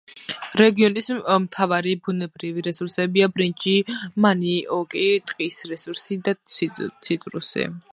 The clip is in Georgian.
რეგიონის მთავარი ბუნებრივი რესურსებია: ბრინჯი, მანიოკი, ტყის რესურსი და ციტრუსი.